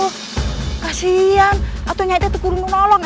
kasian harusnya aku bisa menolongnya